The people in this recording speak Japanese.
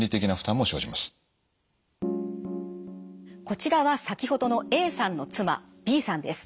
こちらは先ほどのＡさんの妻Ｂさんです。